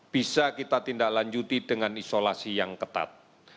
bisa kita tindak lanjuti dengan isolasi yang ketat